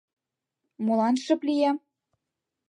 — Молан шып лиям?